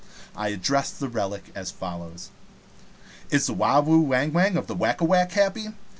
I addressed the relic as follows: "Is the Wawhoo Wang Wang of the Whack a Whack happy?